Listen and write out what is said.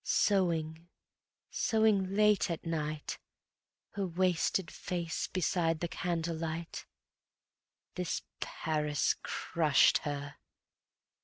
sewing, sewing late at night, Her wasted face beside the candlelight, This Paris crushed her.